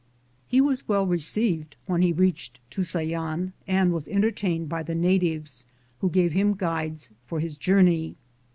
He was well received when he reached Tusayan and was entertained by the natives, who gave him guides for his journey.